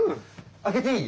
開けていい？